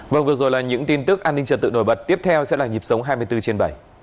vâng vừa rồi là những tin tức an ninh trật tự nổi bật tiếp theo sẽ là nhịp sống hai mươi bốn trên bảy